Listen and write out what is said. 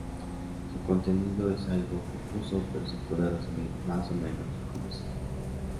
Su contenido es algo confuso pero se puede resumir más o menos como sigue.